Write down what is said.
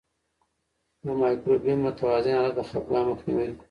د مایکروبیوم متوازن حالت د خپګان مخنیوی کوي.